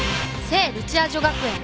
聖ルチア女学園。